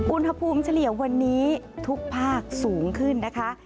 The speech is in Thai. อุณหภูมิเฉลี่ยวันนี้ทุกภาคสูงขึ้นนะคะ